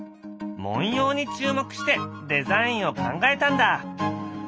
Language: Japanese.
文様に注目してデザインを考えたんだ。